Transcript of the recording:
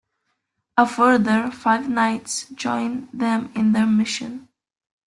A further five knights join them in their mission.